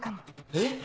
えっ？